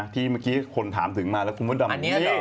ที่เมื่อกี้คนถามถึงมาแล้วคุณพ่อดำนี่